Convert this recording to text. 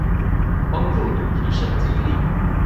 幫助你提升肌力